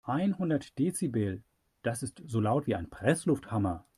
Einhundert Dezibel, das ist so laut wie ein Presslufthammer.